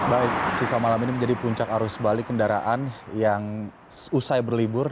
baik sika malam ini menjadi puncak arus balik kendaraan yang usai berlibur